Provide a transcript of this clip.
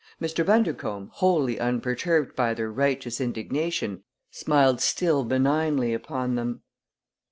Mr. Bundercombe, wholly unperturbed by their righteous indignation, smiled still benignly upon them.